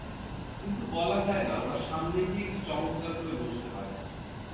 কিন্তু বলা যায় না ওরা সামনে গিয়ে কী চমৎকার করে বসতে পারে।